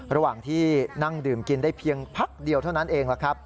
ระหว่างที่นั่งดื่มกินได้เพียงพักเดียวเท่านั้นเองล่ะครับ